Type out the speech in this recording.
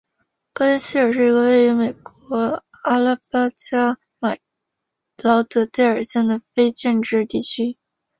格林希尔是一个位于美国阿拉巴马州劳德代尔县的非建制地区。